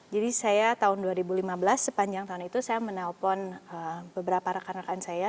jadi saya tahun dua ribu lima belas sepanjang tahun itu saya menelpon beberapa rekan rekan saya